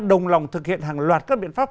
đồng lòng thực hiện hàng loạt các biện pháp